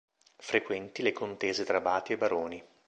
Frequenti le contese tra abati e baroni.